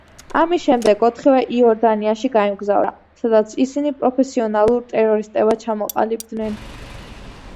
ამის შემდეგ ოთხივე იორდანიაში გაემგზავრა, სადაც ისინი პროფესიონალ ტერორისტებად ჩამოყალიბდნენ.